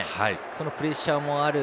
そのプレッシャーもある。